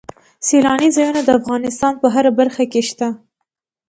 سیلاني ځایونه د افغانستان په هره برخه کې شته.